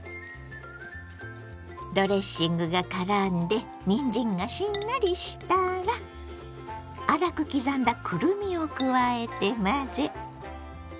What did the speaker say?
ドレッシングがからんでにんじんがしんなりしたら粗く刻んだくるみを加えて混ぜ。